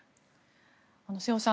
瀬尾さん